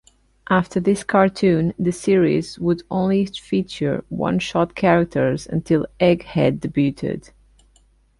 After this cartoon, the series would only feature one-shot characters until Egghead debuted.